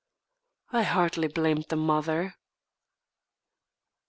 I hardly blamed the mother.